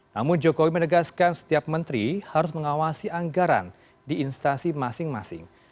namun jokowi menegaskan setiap menteri harus mengawasi anggaran di instasi masing masing